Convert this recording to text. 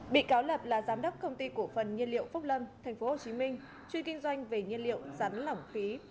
bị cáo lập là giám đốc công ty cổ phần nhiên liệu phúc lâm thành phố hồ chí minh chuyên kinh doanh về nhiên liệu rắn lỏng phí